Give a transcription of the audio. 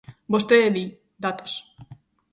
Vostede di: datos.